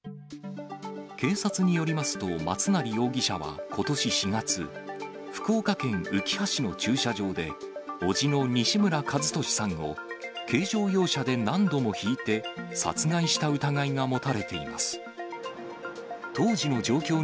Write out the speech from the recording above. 警察によりますと、松成容疑者はことし４月、福岡県うきは市の駐車場で、おじの西村一敏さんを軽乗用車で何度もひいて、殺害した疑いが持たれています。